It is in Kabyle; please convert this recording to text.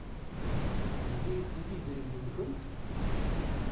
D wi i d idrimen-nkent?